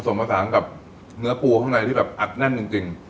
ส่วนผสานกับเนื้อปูข้างในที่แบบอัดแน่นจริง